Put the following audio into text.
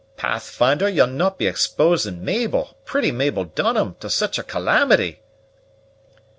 "Pathfinder, ye'll no' be exposing Mabel, pretty Mabel Dunham, to sic' a calamity!"